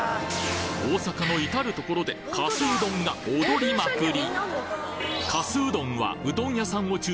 大阪の至る所でかすうどんが踊りまくり！